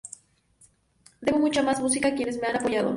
Debo mucha más música a quienes me han apoyado.